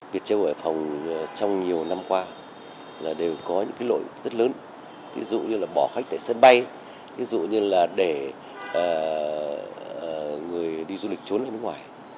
viettravel ở hải phòng trong nhiều năm qua đều có những lỗi rất lớn ví dụ như bỏ khách tại sân bay ví dụ như để người đi du lịch trốn lại nước ngoài